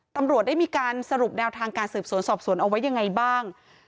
ตำรวจได้มีการสรุปแนวทางการสืบสวนสอบสวนเอาไว้ยังไงบ้าง